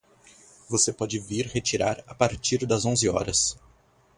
Você pode vir retirar a partir das onze horas.